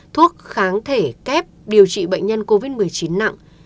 thuốc kháng thể kép điều trị bệnh nhân covid một mươi chín nặng